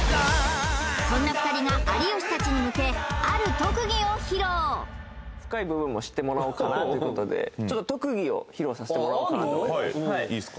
そんな２人が有吉たちに向け深い部分も知ってもらおうかなってことでちょっと特技を披露させてもらおうかなと思います